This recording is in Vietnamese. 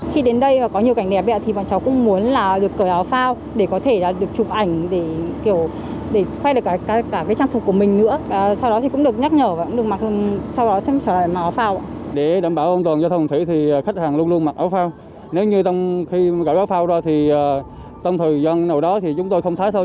khi gọi áo phao ra thì trong thời gian nào đó thì chúng tôi không thấy thôi